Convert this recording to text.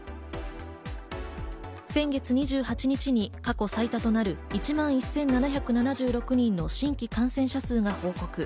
先月２８日に過去最多となる１万１７７６人の新規感染者数が報告。